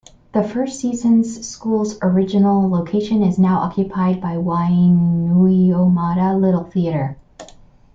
The first season's school's original location is now occupied by Wainuiomata Little Theatre.